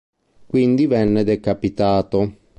Quindi venne decapitato.